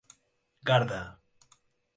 guarda